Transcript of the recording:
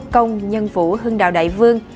công nhân vũ hưng đạo đại vương